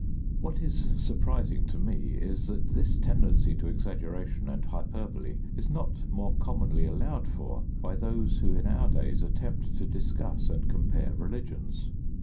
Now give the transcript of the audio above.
What is surprising to me is that this tendency to exaggeration and hyperbole is not more commonly allowed for by those who in our days attempt to discuss and compare religions.